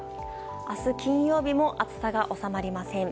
明日、金曜日も暑さが収まりません。